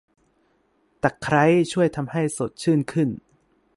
ตะไคร้ช่วยทำให้สดชื่นขึ้น